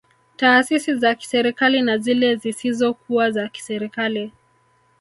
Taasisi za kiserikali na zile zisizo kuwa za kiserikali